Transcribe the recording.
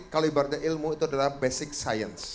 kalibernya ilmu itu adalah basic science